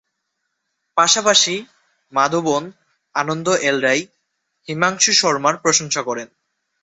পাশাপাশি, মাধবন, আনন্দ এল রাই, হিমাংশু শর্মার প্রশংসা করেন।